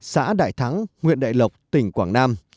xã đại thắng nguyện đại lộc tỉnh quảng nam